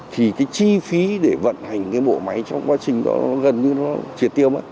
thì cái chi phí để vận hành cái bộ máy trong quá trình đó gần như nó triệt tiêu